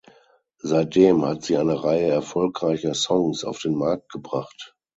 Seitdem hat sie eine Reihe erfolgreicher Songs auf den Markt gebracht.